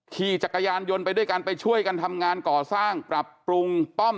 ขี่จักรยานยนต์ไปด้วยกันไปช่วยกันทำงานก่อสร้างปรับปรุงป้อม